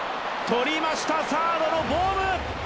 取りました、サードのボーム。